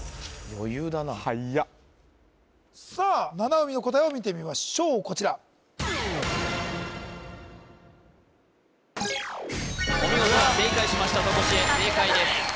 余裕だなさあ七海の答えを見てみましょうこちらお見事正解しましたとこしえ正解です